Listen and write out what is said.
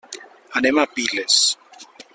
Anem a Piles.